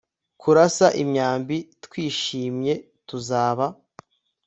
Kurasa imyambi twishimye Tuzaba